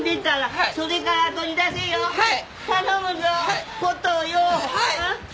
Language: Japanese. はい。